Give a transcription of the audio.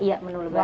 iya menu lebaran